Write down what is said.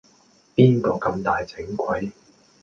邊個咁大整鬼